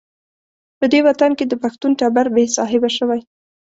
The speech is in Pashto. په دې وطن کې د پښتون ټبر بې صاحبه شوی.